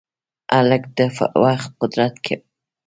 هلک د وخت قدر کوي.